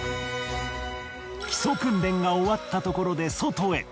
基礎訓練が終わったところで外へ。